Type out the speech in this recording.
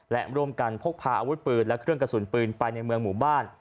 และร่วมกันพกพาอาวุธปืนและเครื่องกระสุนปืนไปในเมืองหมู่บ้าน